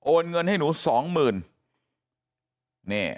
เงินให้หนูสองหมื่น